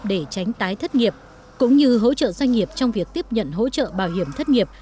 để tránh tái thất nghiệp cũng như hỗ trợ doanh nghiệp trong việc tiếp nhận hỗ trợ bảo hiểm thất nghiệp